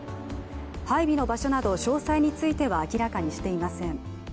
配備の場所など、詳細については明らかにしていません。